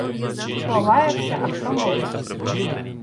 Хто лаявся, а хто моливсь.